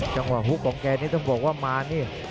จังหวะฮุกของแกนี่ต้องบอกว่ามะนี่